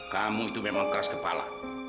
kamu itu memang keras kepala